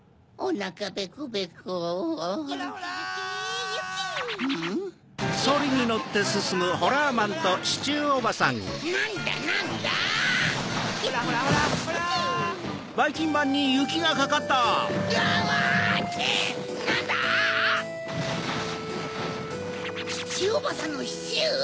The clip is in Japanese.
なんだ⁉シチューおばさんのシチュー！